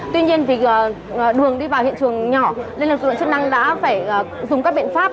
tuy nhiên thì đường đi vào hiện trường nhỏ nên lực lượng chức năng đã phải dùng các biện pháp